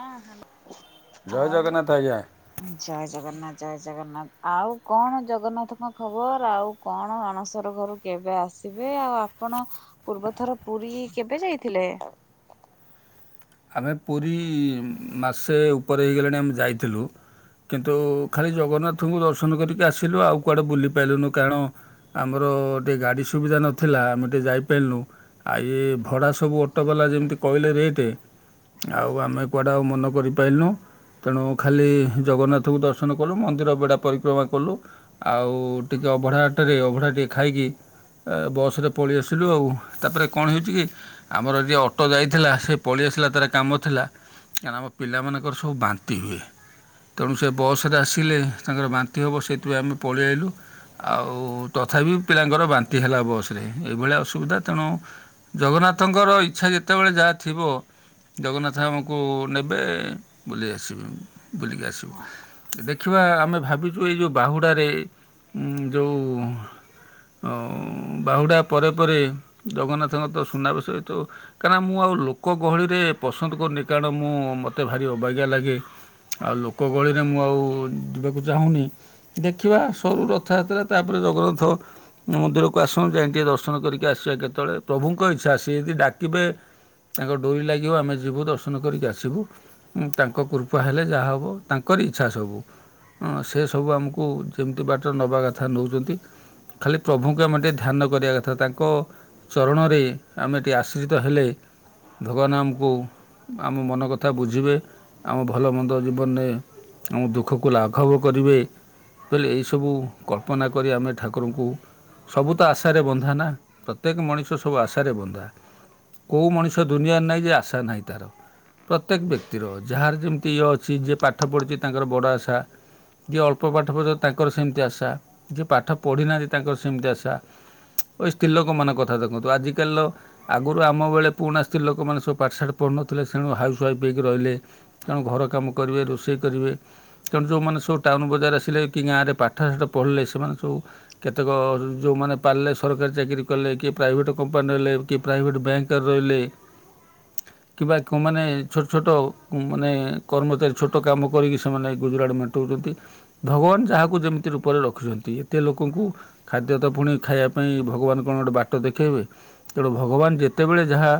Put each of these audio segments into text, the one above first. ହଁ ହାଲୋ ଜୟ ଜଗନ୍ନାଥ ଆଜ୍ଞା ଆଉ ଜୟ ଜଗନ୍ନାଥ ଜୟ ଜଗନ୍ନାଥ ଆଉ କଣ ଜଗନ୍ନାଥଙ୍କ ଖବର ଆଉ କଣ ଅଣସର ଘରୁ କେବେ ଆସିବେ ଆଉ ଆପଣ ପୂର୍ବଥର ପୁରୀ କେବେ ଯାଇଥିଲେ? ଆମେ ପୁରୀ ମାସେ ଉପରେ ହେଇଗଲାଣି ଆମେ ଯାଇଥିଲୁ। କିନ୍ତୁ ଖାଲି ଜଗନ୍ନାଥଙ୍କୁ ଦର୍ଶନ କରିକି ଆସିଲୁ ଆଉ କୁଆଡ଼େ ବୁଲିପାଇଲୁନୁ କାରଣ ଆମର ଟିକେ ଗାଡ଼ି ସୁବିଧା ନଥିଲା ଆମେ ଟିକେ ଯାଇପାରିନୁ ଆ ଏ ଭଡ଼ା ସବୁ ଅଟୋବାଲା ଯେମିତି କହିଲେ ରେଟ୍ ଆଉ ଆମେ କୁଆଡ଼େ ଆଉ ମନ କରିପାଇଲୁନୁ। ତେଣୁ ଖାଲି ଜଗନ୍ନାଥଙ୍କୁ ଦର୍ଶନ କଲୁ ମନ୍ଦିର ବେଢ଼ା ପରିକ୍ରମା କଲୁ। ଆଉ ଟିକି ଅଭଢ଼ା ହାଟରେ ଅଭଢ଼ା ଟିକେ ଖାଇକି ଏ ବସ୍ ରେ ପଳେଇ ଆସିଲୁ ଆଉ ତାପରେ କଣ ହେଉଛି କି ଆମର ଯିଏ ଅଟୋ ଯାଇଥିଲା ସେ ପଳେଇଆସି ଥିଲା ତାର କାମ ଥିଲା କାଇଁନା ଆମ ପିଲାମାନଙ୍କର ସବୁ ବାନ୍ତି ହୁଏ। ତେଣୁ ସେ ବସ୍ ରେ ଆସିଲେ ତାଙ୍କର ବାନ୍ତି ହେବ ସେଇଥିପାଇଁ ଆମେ ପଳେଇଆଇଲୁ। ଆଉ ତଥାପି ପିଲାଙ୍କର ବାନ୍ତି ହେଲା ବସ୍ ରେ ଏଇଭଳିଆ ଅସୁବିଧା ତେଣୁ ଜଗନ୍ନାଥଙ୍କର ଇଚ୍ଛା ଯେତେବେଳେ ଯାହା ଥିବ ଜଗନ୍ନାଥ ଆମକୁ ନେବେ ବୁଲି ଆସିବି ବୁଲିକି ହଁ ଆସିବୁ। ଦେଖିବା ଆମେ ଭାବିଛୁ ଏଇ ଯେଉଁ ବାହୁଡ଼ାରେ ଜୋଉଁ ଅଁ ବାହୁଡ଼ା ପରେ ପରେ ଜଗନ୍ନାଥଙ୍କ ତ ସୁନାବେଶ ହେଇଥିବ କାହିଁନା ମୁଁ ଆଉ ଲୋକ ଲୋକ ଗହଳିରେ ପସନ୍ଦ କରୁନି କାରଣ ମୁଁ ମୋତେ ଭାରି ଅବାଗିଆ ଲାଗେ। ଆଉ ଲୋକ ଗଳିରେ ମୁଁ ଆଉ ଯିବାକୁ ଚାହୁଁନି। ଦେଖିବା ସରୁ ରଥଯାତ୍ରା ତାପରେ ଜଗନ୍ନାଥ୍ ମନ୍ଦିରକୁ ଆସୁ ଯାଇ ଟିକି ଦର୍ଶନ କରିକି ଆସିବା କେତେବେଳେ ପ୍ରଭୁଙ୍କ ଇଚ୍ଛା ସେ ଯଦି ଡାକିବେ ତାଙ୍କ ଡୋରି ଲାଗିବ ଆମେ ଯିବୁ ଦର୍ଶନ କରିକି ଆସିବୁ। ତାଙ୍କ କୃପା ହେଲେ ଯାହା ହେବ ତାଙ୍କର ଇଚ୍ଛା ସବୁ। ହଁ ସେ ସବୁ ଆମକୁ ଯେମିତି ବାଟରେ ନେବା କଥା ନେଉଛନ୍ତି। ଖାଲି ପ୍ରଭୁଙ୍କୁ ଆମେ ଟିକେ ଧ୍ୟାନ କରିବା କଥା ତାଙ୍କ ଚରଣରେ ଆମେ ଏଠି ଆଶ୍ରିତ ହେଲେ ଭଗବାନ ଆମକୁ ଆମ ମନ କଥା ବୁଝିବେ। ଆମ ଭଲମନ୍ଦ ଜୀବନରେ ଆମ ଦୁଃଖକୁ ଲାଘବ କରିବେ। ବଲେ ଏଇସବୁ କଳ୍ପନା କରି ଆମେ ଠାକୁରଙ୍କୁ ସବୁ ତ ଆଶାରେ ବନ୍ଧା ନା ପ୍ରତ୍ୟେକ ମଣିଷ ସବୁ ଆଶାରେ ବନ୍ଧା କୋଉ ମଣି ଷ ଦୁନିଆରେ ନାହିଁ ଯେ ଆଶା ନାହିଁ ତାର। ପ୍ରତ୍ୟେକ ବ୍ୟକ୍ତିର ଯାହାର ଯେମିତି ଇଏ ଅଛି ଯିଏ ପାଠ ପଢ଼ିଛି ତାଙ୍କର ବଡ଼ ଆଶା। ଯିଏ ଅଳ୍ପ ପାଠ ପଢିଥିବା ତାଙ୍କର ସେମିତି ଆସା। ଯିଏ ପାଠ ପଢ଼ିନାହାନ୍ତି ତାଙ୍କର ସେମିତି ଆସା ଏ ସ୍ତ୍ରୀ ଲୋକମାନଙ୍କ କଥା ଦେଖନ୍ତୁ ଆଜିକାଲି ଆଗରୁ ଆମ ବେଳେ ପୁରୁଣା ସ୍ତ୍ରୀ ଲୋକମାନେ ସବୁ ପାଠାଠଢ଼ନଥିଲେ ସେମାନେ ହାଉଶୁ ୱାଇଫ୍ ହେଇକି ରହିଲେ। ତାଙ୍କ ଘର କାମ କରିବେ ରୋଷେଇ କରିବେ ତେଣୁ ଯେଉଁମାନେ ସବୁ ଟାଉନ ବଜାର ଆସିଲେ କି ଗାଁରେ ପାଠଶାଠ ପଢ଼ିଲେ ସେମାନେ ସବୁ କେତେକ ଯେଉଁମାନେ ପାରିଲେ ସରକାରୀ ଚାକିରି କଲେ। କିଏ ପ୍ରାଇଭେଟ୍ କମ୍ପାନୀ ହେଲେ କିଏ ପ୍ରାଇଭେଟ୍ ବ୍ୟାଙ୍କରେ ରହିଲେ କିମ୍ବା କେଉଁମାନେ ଛୋଟ ଛୋଟ ମାନେ କର୍ମଚାରୀ ଛୋଟ କାମ କରିକି ସେମାନେ ଗୁଜୁରାଟ ମେଣ୍ଟଉଛନ୍ତି। ଭଗବାନ ଯାହାକୁ ଯେମିତି ରୂପରେ ରଖିଛନ୍ତି ଏତେ ଲୋକଙ୍କୁ ଖାଦ୍ୟ ତ ପୁଣି ଖାଇବା ପାଇଁ ଭଗବାନ କଣ ଗୋଟେ ବାଟ ଦେଖାଇବେ ତେଣୁ ଭଗବାନ ଯେତେବେଳେ ଯାହା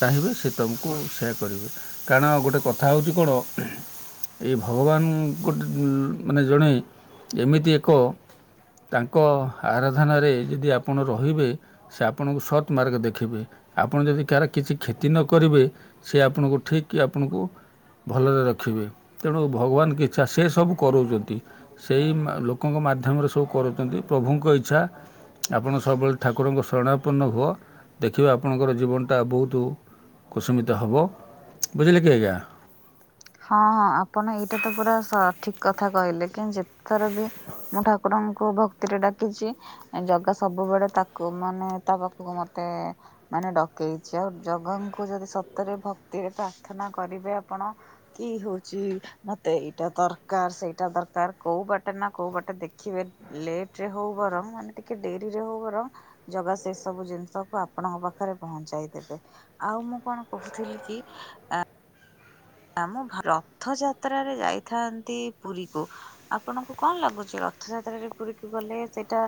ଚାହିଁବେ ସେ ତମକୁ ସେୟ କରିବେ କାରଣ ଗୋଟେ କଥା ହେଉଛି କଣ? ଏଇ ଭଗବାନ ଗୋଟେ ମାନେ ଜଣେ ଏମିତି ଏକ ତାଙ୍କ ଆରାଧନାରେ ଯଦି ଆପଣ ରହିବେ ସେ ଆପଣଙ୍କୁ ସତ ମାର୍ଗ ଦେଖିଇବେ। ଆପଣ ଯଦି କାହାର କିଛି କ୍ଷତି ନ କରିବେ ସେ ଆପଣଙ୍କୁ ଠିକ୍ ଆପଣଙ୍କୁ ଭଲରେ ରଖିବେ ତେଣୁ ଭଗବାନ ଇଚ୍ଛା ସେ ସବୁ କରଉଛନ୍ତି। ସେଇ ଲୋକଙ୍କ ମାଧ୍ୟମରେ ସବୁ କରୁଛନ୍ତି ପ୍ରଭୁଙ୍କ ଇଚ୍ଛା ଆପଣ ସବୁବେଳେ ଠାକୁରଙ୍କ ଶରଣାତ୍ପନ୍ନ ହୁଅ ଦେଖିବେ ଆ ଆପଣଙ୍କର ଜୀବନଟା ବହୁତ କୁସମିତ ହେବ ବୁଝିଲେ କି ଆଜ୍ଞା। ହଁ ହଁ ଆପଣ ଏଇଟା ତ ପୁରା ସ ଠିକ କଥା କହିଲେ କି ଯେତଥର ବି ମୁଁ ଠାକୁରଙ୍କୁ ଭକ୍ତିରେ ଡାକିଛି ଜାଗା ସବୁବେଳେ ତାକୁ ମାନେ ତା ପାଖକୁ ମତେ ମାନେ ଡକେଇଛି ଆଉ ଜଗାଙ୍କୁ ଯଦି ସତରେ ଭକ୍ତିରେ ପ୍ରାର୍ଥନା କରିବେ ଆପଣ କି ହଉଛି ମତେ ଏଇଟା ଦରକାର ସେଇଟା ଦରକାର କୋଉ ବାଟେ ନା କୋଉ ବାଟେ ଦେଖିବେ ଲେଟ ରେ ହଉ ବରମ ମାନେ ଟିକେ ଡେରିରେ ହଉ ବରମ୍ ଜଗା ସେ ସବୁ ଜିନିଷକୁ ଆପଣଙ୍କ ପାଖରେ ପହଞ୍ଚାଇ ଦେବେ। ଆଉ ମୁଁ କଣ କହୁଥିଲି କି ଆ ଆମ ରଥ ଯାତ୍ରାରେ ଯାଇଥାନ୍ତି ପୁରୀକୁ ଆପଣଙ୍କୁ କଣ ଲାଗୁଛି ରଥଯାତ୍ରାରେ ପୁରୀକୁ ଗଲେ ସେଇଟା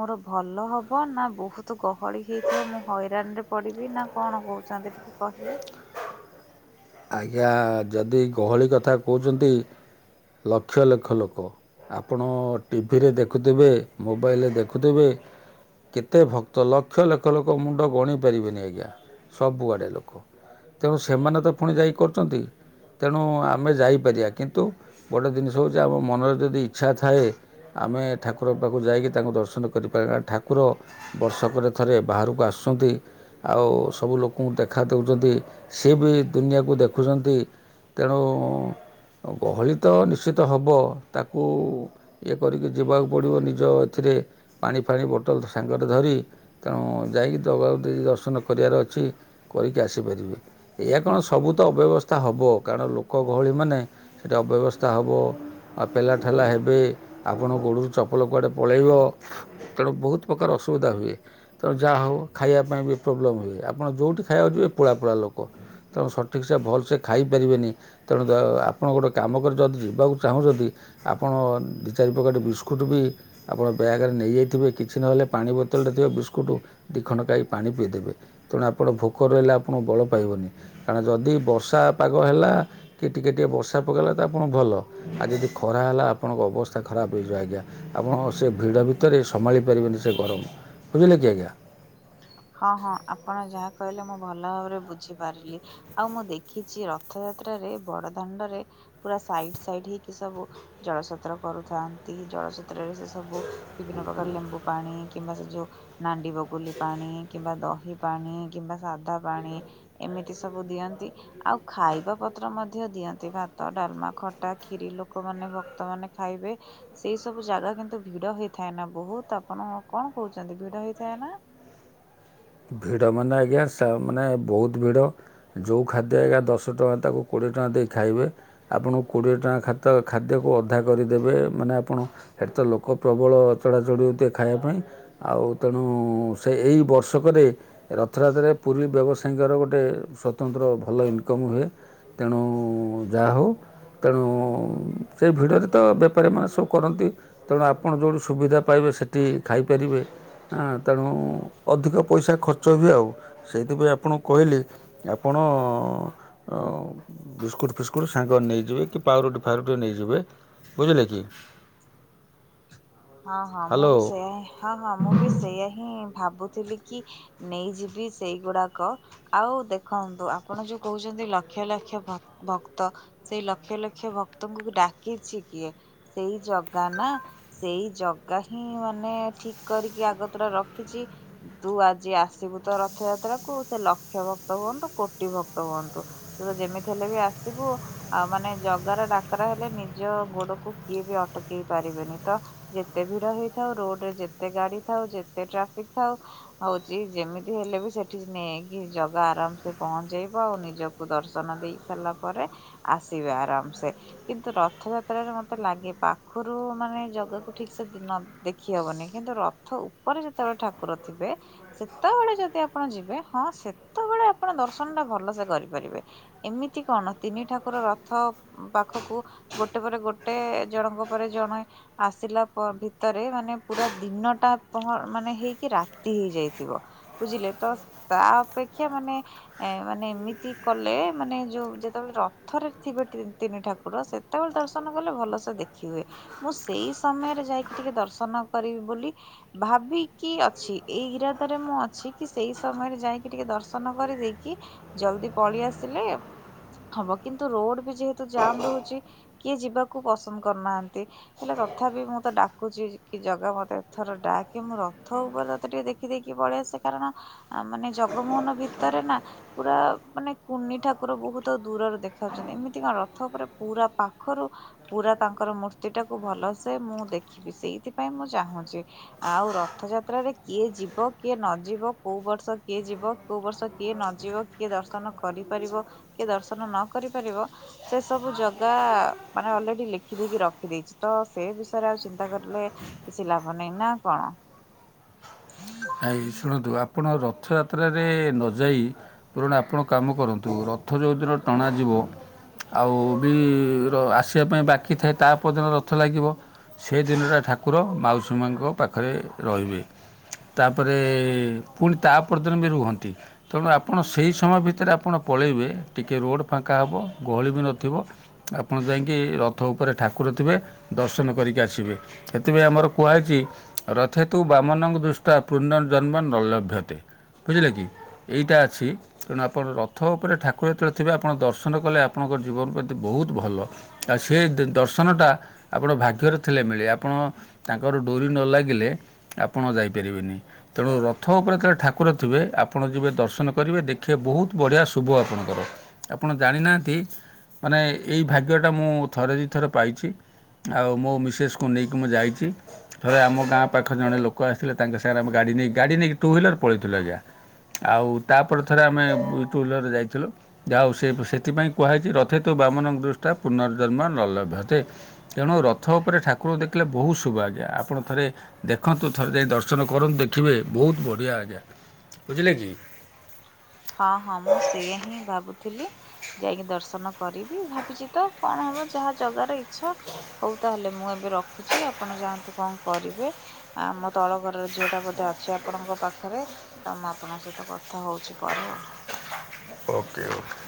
ମୋର ଭଲ ହବ ନା ବହୁତ ଗହଳି ହେଇଥିବ ମୁଁ ହଇରାଣ ରେ ପଡିବି ନା କଣ କହୁଛନ୍ତି ଟିକେ କହିବେ ଆଜ୍ଞା ଯଦି ଗହଳି କଥା କହୁଛନ୍ତି ଲକ୍ଷ ଲକ୍ଷ ଲୋକ ଆପଣ ଟିଭିରେ ଦେଖୁଥିବେ, ମୋବାଇଲରେ ଦେଖୁଥିବେ କେତେ ଭକ୍ତ ଲକ୍ଷ ଲକ୍ଷ ଲୋକ ମୁଣ୍ଡ ଗଣି ପାରିବେନି ଆଜ୍ଞା ସବୁଆଡ଼େ ଲୋକ ତେଣୁ ସେମାନେ ତ ପୁଣି ଯାଇକି କରୁଛନ୍ତି ତେଣୁ ଆମେ ଯାଇପାରିବା କିନ୍ତୁ ଗୋଟେ ଜିନିଷ ହେଉଛି ଆମ ମନରେ ଯଦି ଇଚ୍ଛା ଥାଏ ଆମେ ଠାକୁରଙ୍କ ପାଖକୁ ଯାଇକି ତାଙ୍କୁ ଦର୍ଶନ କରିପାର ନା ଠାକୁ କୁର ବର୍ଷକରେ ଥରେ ବାହାରକୁ ଆସୁଛନ୍ତି। ଆଉ ସବୁ ଲୋକଙ୍କୁ ଦେଖା ଦେଉଛନ୍ତି ସି ବି ଦୁନିଆକୁ ଦେଖୁଛନ୍ତି ତେଣୁ ଗହଳି ତ ନିଶ୍ଚିତ ହେବ ତାକୁ ଇଏ କରିକି ଯିବାକୁ ପଡ଼ିବ ନିଜ ଏଥିରେ ପାଣି ଫାଣି ବୋଟଲ ସାଙ୍ଗରେ ଧରି ତେଣୁ ଯାଇକି ଜଗା କୁ ଟିକେ ଦର୍ଶନ କରିବାର ଅଛି କରିକି ଆସିପାରିବେ। ଏଇଆ କଣ ସବୁ ତ ଅବ୍ୟବସ୍ଥା ହେବ କାରଣ ଲୋକ ଗହଳି ମାନେ ସେଇଟା ଅବ୍ୟବସ୍ଥା ହେବ। ଆଉ ପେଲା ଠେଲା ହେବେ ଆପଣ ଗୋଡ଼ରୁ ଚପଲ କୁଆଡ଼େ ପଳେଇବ। ତେଣୁ ବହୁତ ପ୍ରକାର ଅସୁବିଧା ହୁଏ ତେଣୁ ଯାହା ହଉ ଖାଇବା ପାଇଁ ବି ପ୍ରୋବ୍ଲେମ୍ ହୁଏ ଆପଣ ଯେଉଁଠି ଖାଇବାକୁ ଯିବେ ପୋଳାପୋଳା ଲୋକ। ତେଣୁ ସଠିକ ସେ ଭଲସେ ଖାଇପାରିବେନି ତେଣୁ ଦ ଆପଣ ଗୋଟଏ କାମ କରି ଯଦି ଯିବାକୁ ଚାହୁଁଛନ୍ତି ଆପଣ ଦୁଇ ଚାରି ପକେଟ ବିସ୍କୁଟ୍ ବି ଆପଣ ବ୍ୟାଗରେେ ନେଇଯାଇଥିବେ କିଛି ନହେଲେ ପାଣି ବୋତଲ ରେ ଥିବା ବିସ୍କୁଟ୍ ଦି ଖଣ୍ଡ ଖାଇକି ପାଣି ପିଇଦେବେ ତେଣୁ ଆପଣ ଭୋକରେ ରହିଲେ ଆପଣଙ୍କୁ ବଳ ପାଇବନି। କାରଣ ଯଦି ବର୍ଷା ପାଗ ହେଲା କି ଟିକେ ଟିକେ ବର୍ଷା ପକାଇଲା ତ ଆପଣ ଭଲ। ଆଉ ଯଦି ଖରା ହେଲା ଆପଣଙ୍କ ଅବସ୍ଥା ଖରାପ ହେଇଯିବ ଆଜ୍ଞା ଆପଣ ସେ ଭିଡ଼ ଭିତରେ ସମ୍ଭାଳି ପାରିବେନି ସେ ଗରମ। ବୁଝିଲେକି ଆଜ୍ଞା। ହଁ ହଁ, ଆପଣ ଯାହା କହିଲେ ମୁଁ ଭଲ ଭାବରେ ବୁଝିପାରିଲି। ଆଉ ମୁଁ ଦେଖିଛି ରଥଯାତ୍ରାରେ ବଡ ଦାଣ୍ଡ ରେ ପୁରା ସାଇଡ ସାଇଡ ହେଇକି ସବୁ ଜଳ ସୋତ୍ର କରୁଥାନ୍ତି। ଜଳ ସୋତ୍ରରେ ସେ ସବୁ ବିଭିନ୍ନ ପ୍ରକାର ଲେମ୍ବୁ ପାଣି କିମ୍ବା ସେ ଯୋଉ ନାଣ୍ଡି ବ ଗୁଲି ପାଣି କିମ୍ବା ଦହି ପାଣି କିମ୍ବା ସାଧା ପାଣି ଏମିତି ସବୁ ଦିଅନ୍ତି ଆଉ ଖାଇବା ପତ୍ର ମଧ୍ୟ ଦିଅନ୍ତି। ଭାତ, ଡାଲମା, ଖଟା, କ୍ଷୀରି ଲୋକମାନେ ଭକ୍ତ ମାନେ ଖାଇବେ ସେଇ ସବୁ ଜାଗା କିନ୍ତୁ ଭିଡ ହେଇଥାଏ ନା ବହୁତ ଆପଣ କଣ କହୁଛନ୍ତି ଭିଡ ହେଇଥାଏ ନା? ଭିଡ଼ ମାନେ ଆଜ୍ଞା ମାନେ ବହୁତ ଭିଡ଼। ଯେଉଁ ଖାଦ୍ୟ ଆଜ୍ଞା ଦଶ ଟଙ୍କା ତାକୁ କୋଡ଼ିଏ ଟଙ୍କା ଦେଇ ଖାଇବେ ଆପଣ କୋଡ଼ିଏ ଟଙ୍କା ଖାଦ୍ୟକୁ ଅଧା କରିଦେବେ। ମାନେ ଆପଣ ସେଠି ତ ଲୋକ ପ୍ରବଳ ଚଢ଼ା ଚଢ଼ି ହଉଥିବେ ଖାଇବା ପାଇଁ ଆଉ ତେଣୁ ସେ ଏଇ ବର୍ଷ ବର୍ଷକରେ ରଥରାତ୍ରରେ ପୁରୀ ବ୍ୟବସାୟୀଙ୍କର ଗୋଟେ ସ୍ୱତନ୍ତ୍ର ଭଲ ଇନକମ୍ ହୁଏ। ତେଣୁ ଯାହା ହେଉ ତେଣୁ ସେଇ ଭିଡ଼ରେ ତ ବେପାରୀମାନେ ସବୁ କରନ୍ତି ତେଣୁ ଆପଣ ଯେଉଁଠି ସୁବିଧା ପାଇବେ ସେଠି ଖାଇପାରିବେ ହାଁ, ତେଣୁ ଅଧିକ ପଇସା ଖର୍ଚ୍ଚ ହୁଏ ଆଉ ସେଇଥିପାଇଁ ଆପଣ କହିଲେ ଆପଣ ବିସ୍କୁଟ୍ ଫିସ୍କୁଟ୍ ସାଙ୍ଗରେ ନେଇଯିବେ କି ପାଉଁରୁଟି ଫାଉଁରୁଟି ନେଇଯିବେ ବୁଝିଲେ କି? ହଁ ହଁ ମୁଁ ବି ହ୍ୟାଲୋ ସେଇୟା ହିଁ ହଁ ହଁ ମୁଁ ବି ସେଇୟା ହିଁ ଭାବୁଥିଲି କି ନେଇଯିବି ସେଇଗୁଡାକ। ଆଉ ଦେଖନ୍ତୁ ଆପଣ ଯୋଉ କହୁଛନ୍ତି ଲକ୍ଷ ଲକ୍ଷ ଭ-ଭକ୍ତ। ସେଇ ଲକ୍ଷ ଲକ୍ଷ ଭକ୍ତଙ୍କୁ ଡାକିଛି କିଏ ସେଇ ଜଗା ନା। ସେଇ ଜଗା ହିଁ ମାନେ ଠିକ କରିକି ଆଗତ୍ର ରଖିଛି ତୁ ଆଜି ଆସିବୁ ତ ରଥଯାତ୍ରା କୁ ସେ ଲକ୍ଷ ଭକ୍ତ ହୁଅନ୍ତୁ କୋଟି ଭକ୍ତ ହୁଅନ୍ତୁ। ତୋର ଯେମିତି ହେଲେ ବି ଆସିବୁ ଆଉ ମାନେ ଜଗାର ଡାକରା ହେଲେ ନିଜ ଗୋଡକୁ କିଏ ବି ଅଟକେଇ ପାରିବେନି। ତ ଯେତେ ଭିଡ ହେଇଥାଉ ରୋଡ ରେ ଯେତେ ଗାଡି ଥାଉ ଯେତେ ଟ୍ରାଫିକ ଥାଉ ହଉଛି ଯେମିତି ହେଲେ ବି ସେଠି ନେଇକି ଜଗା ଆରାମ ସେ ପହଞ୍ଚେଇବ ଆଉ ନିଜ କୁ ଦର୍ଶନ ଦେଇ ସାରିଲା ପରେ ଆସିବେ ଆରାମ ସେ କିନ୍ତୁ ରଥଯାତ୍ରାରେ ମତେ ଲାଗେ ପାଖରୁ ମାନେ ଜଗାକୁ ଠିକ ସେ ନ ଦେଖି ହବନି। କିନ୍ତୁ ରଥ ଉପରେ ଯେତେବେଳେ ଠାକୁର ଥିବେ ସେତେବେଳେ ଯଦି ଆପଣ ଯିବେ ହଁ ସେତେବେଳେ ଆପଣ ଦର୍ଶନ ଟା ଭଲ ସେ କରିପାରିବେ ଏମିତି କଣ ତିନି ଠାକୁର ରଥ ପାଖକୁ ଗୋଟେ ପରେ ଗୋଟେ, ଜଣଙ୍କ ପରେ ଜଣେ ଆସିଲା ପରେ ଭିତରେ ମାନେ ପୁରା ଦିନଟା ହ ମାନେ ହେଇକି ରାତି ହେଇଯାଇଥିବ ବୁଝିଲେ ତ ତା ଅପେକ୍ଷା ମାନେ ଏ ମାନେ ଏମିତି କଲେ ମାନେ ଯୋଉ ଯେତେବେଳେ ରଥରେ ଥିବେ ତି ତିନି ଠାକୁର ସେ ସେତେବେଳେ ଦର୍ଶନ କଲେ ଭଲସେ ଦେଖି ହୁଏ। ମୁଁ ସେଇ ସମୟରେ ଯାଇକି ଟିକେ ଦର୍ଶନ କରିବି ବୋଲି ଭାବିକି ଅଛି ଏଇ ଇରାଦାରେ ମୁଁ ଅଛି କି ସେଇ ସମୟରେ ଯାଇକି ଟିକେ ଦର୍ଶନ କରି ଦେଇକି ଜଲଦି ପଳେଇ ଆସିଲେ ହବ କିନ୍ତୁ, ରୋଡ ବି ଯେହେତୁ ଜାମ ରହୁଛି କିଏ ଯିବାକୁ ପସନ୍ଦ କରୁନାହାନ୍ତି। ହେଲେ ତଥା ବିି ମୁଁ ତ ଡାକୁଛି କି ଜଗା ମତେ ଏଥର ଡାକେ ମୁଁ ରଥ ଉପରେ ତତେ ଟିକେ ଦେଖି ଦେଖି ଦେଇକି ପଳେଇଆସେ କାରଣ ମାନେ ଜଗମୋହନ ଭିତରେ ନା ପୁରା ମାନେ କୁନି ଠାକୁର ବହୁତ ଦୂରରେ ଦେଖାଉଛନ୍ତି ଏମିତି କଣ ରଥ ଉପରେ ପୁରା ପାଖରୁ ପୁରା ତାଙ୍କର ମୂର୍ତ୍ତି ଟାକୁ ଭଲସେ ମୁଁ ଦେଖିବି ସେଇଥିପାଇଁ ମୁଁ ଚାହୁଁଛି ଆଉ ରଥଯାତ୍ରାରେ କିଏ ଯିବ କିଏ ନ ଯିବ କୋଉ ବର୍ଷ କିଏ ଯିବ କୋଉ ବର୍ଷ କିଏ ନଯିବ କିଏ ଦର୍ଶନ କରିପାରିବ କିଏ ଦର୍ଶନ ନ କରିପାରିବ ସେ ସବୁ ଜଗା ମାନେ ଅଲରେଡି ଲେଖିଦେଇକି ରଖିଦେଇଛି ତ ସେ ବିଷୟରେ ଆଉ ଚିନ୍ତା କରିଲେ କିଛି ଲାଭ ନାହିଁ ନା କଣ ଆଇ ଶୁଣନ୍ତୁ ଆପଣ ରଥଯାତ୍ରାରେ ନଯାଇ ତୁରୁଣ ଆପଣ କାମ କରନ୍ତୁ ରଥ ଯେଉଁଦିନ ଟଣାାଯିବ ଆଉ ବି ର ଆସିବା ପାଇଁ ବାକି ଥାଏ ତା ପଦିନ ରଥ ଲାଗିବ ସେ ଦିନଟା ଠାକୁର ମାଉସୀ ମାଆଙ୍କ ପାଖରେ ରହିବେ ତାପରେ ପୁଣି ତା ପରଦିନ ବି ରୁହନ୍ତି ତେଣୁ ଆପଣ ସେଇ ସମୟ ଭିତରେ ଆପଣ ପଳେଇବେ ଟିକେ ରୋଡ଼ ଫାଙ୍କା ହେବ ଗହଳି ବି ନଥିବ ଆପଣ ଯାଇକି ରଥ ଉପରେ ଠାକୁର ଥିବେ ଦର୍ଶନ କରିକି ଆସିବେ ସେଥିପାଇଁ ଆମର କୁହାଯାଇଛି ରଥତୁ ବାମନଙ୍କ ଦୃଷ୍ଟି ତା ପୁର୍ନଃ ଜନ୍ମ ନ ଲଭ୍ୟତେ ବୁଝିଲେ କି ଏଇଟା ଅଛି ତେଣୁ ଆପଣ ରଥ ଉପରେ ଠାକୁର ଯେତେଳେ ଥିବେ ଆପଣ ଦର୍ଶନ କଲେ ଆପଣଙ୍କ ଜୀବନ ବହୁତ ଭଲ ଆଉ ସେ ଦେ ଦର୍ଶନଟା ଆପଣ ଭାଗ୍ୟରେ ଥିଲେ ମିଳେ ଆପଣ ତାଙ୍କର ଡୋରି ନ ଲାଗିଲେ ଆପଣ ଯାଇପାରିବେନି ତେଣୁ ରଥ ଉପରେ ଯେତେବେଳେ ଠାକୁର ଥିବେ ଆପଣ ଯିବେ ଦର୍ଶନ କରିବେ ଦେଖିବେ ବହୁତ ବଢ଼ିଆ ଶୁଭ ଆପଣଙ୍କର ଆପଣ ଜାଣିନାହାଁନ୍ତି ମାନେ ଏଇ ଭାଗ୍ୟଟା ମୁଁ ଥରେ ଦୁଇ ଥରେ ପାଇଛି। ଆଉ ମୋ ମିସେସ୍କୁ ନେଇକି ମୁଁ ଯାଇଛି ଥରେ ଆମ ଗାଁ ପାଖରେ ଜଣେ ଲୋକ ଆସଥିଲେ ତାଙ୍କ ସାଙ୍ଗରେ ଆମେ ଗାଡ଼ି ନେଇ ଗାଡ଼ି ନେଇକ ଟୁ ହ୍ୱିଲର ପଳଥିଲୁ ଆ୍ଞା ଆଉ ତାପରେ ଥରେ ଆମେ ଟୁ ହୱିଲର ଯାଇଥିଲୁ ଯାହାଉ ସେ ସେଥିପାଇଁ କୁହାଯାଇଛି ରଥେ ତ ବାମନଣଙ୍କ ଦୃଷ୍ା ପୁନର୍ଜନ୍ମ ନଲଭ୍ୟତେ ତେଣୁ ରଥ ଉପରେ ଠାକୁରଙ୍କୁ ଦେଖିଲେ ବହୁତ ଶୁଭ ଆଜ୍ଞା ଆପଣ ଥରେ ଦେଖନ୍ତୁ ଥରେ ଯାଇ ଦର୍ଶ ର୍ଶନ କରନ୍ତୁ ଦେଖିବେ ବହୁତ ବଢ଼ିଆ ଆଜ୍ଞା ବୁଝିଲେ କି ହଁ ହଁ ମୁଁ ସେୟା ହିଁ ଭାବୁଥିଲି ଯାଇକି ଦର୍ଶନ କରିବି ଭାବିଛି ତ କଣ ହବ ଯାହା ଜଗାର ଇଚ୍ଛା ହଉ ତାହେଲେ ମୁଁ ଏବେ ରଖୁଛି ଆପଣ ଯାଆନ୍ତୁ କଣ କରିବେ ଆମ ତଳ ଘରର ଝିଅଟା ବୋଧେ ଅଛି ଆପଣଙ୍କ ପାଖରେ ତ ମୁଁ ଆପଣଙ୍କ ସହିତ କ ଥା ହଉଛି ପରେ ଆଉ ଓକେ ଓକେ